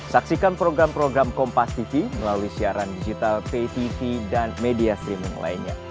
saksikan program program kompas tv melalui siaran digital pay tv dan media streaming lainnya